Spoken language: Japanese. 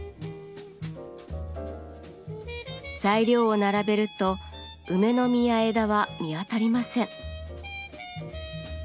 材料を並べると梅の実や枝は見当たりません。